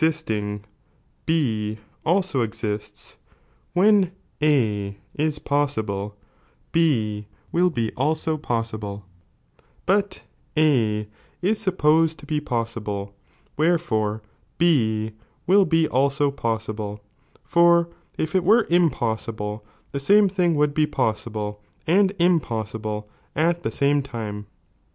I isting, B also existe, wLcn A is poi^siblc, B wiH be aiiio jjos iihle, but A is auppoaed to be possible, wherefore B will be siso possible, for if ii were impossible the same thing would be possible and imposaible at the same time.